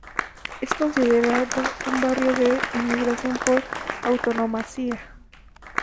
Es considerado un barrio de inmigración por antonomasia.